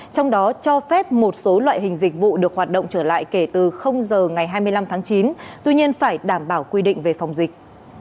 trong đó cho phép một số loại hình dịch vụ được hoạt động trở lại kể từ giờ ngày hai mươi năm tháng chín tuy nhiên phải đảm bảo quy định về phòng dịch